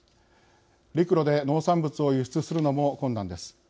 陸路で農産物を輸出するのも困難です。